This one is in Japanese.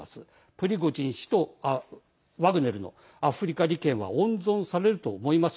プリゴジン氏とワグネルのアフリカ利権は温存されると思います。